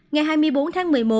ngày hai mươi bốn tháng một mươi một